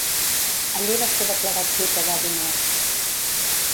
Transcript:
Allí va ser declarat Ciutadà d'Honor.